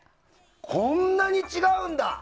こんなに違うんだ。